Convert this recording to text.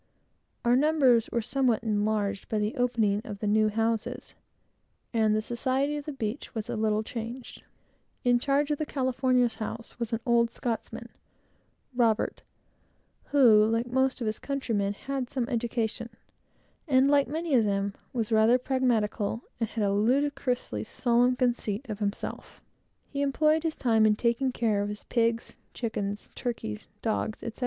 Our numbers were somewhat enlarged by the opening of the new houses, and the society of the beach a little changed. In charge of the Catalina's house, was an old Scotchman, who, like most of his countrymen, had a pretty good education, and, like many of them, was rather pragmatical, and had a ludicrously solemn conceit. He employed his time in taking care of his pigs, chickens, turkeys, dogs, etc.